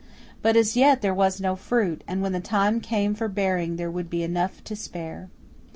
But as yet there was no fruit, and when the time came for bearing there would be enough and to spare.